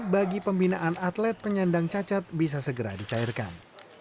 bagi pembinaan atlet penyandang cacat bisa segera dicairkan